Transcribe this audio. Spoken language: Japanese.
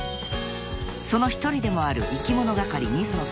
［その１人でもあるいきものがかり水野さん］